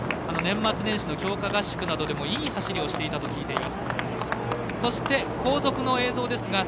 年末年始の強化合宿などでもいい走りをしていたという話です。